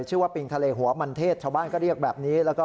ว่าปิงทะเลหัวมันเทศชาวบ้านก็เรียกแบบนี้แล้วก็